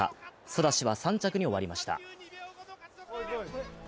ソダシは３着に終わりました。